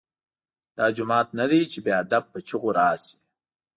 دا جومات نه دی چې بې ادب په چیغو راشې.